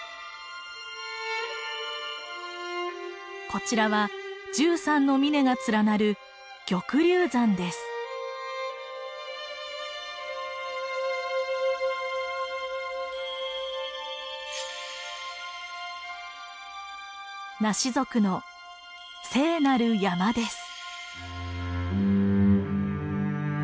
こちらは１３の峰が連なるナシ族の聖なる山です。